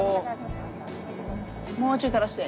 もうちょい垂らして。